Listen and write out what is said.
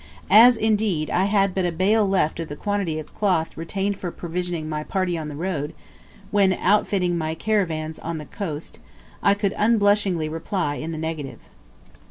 As, indeed, I had but a bale left of the quantity of cloth retained for provisioning my party on the road, when outfitting my caravans on the coast, I could unblushingly reply in the negative.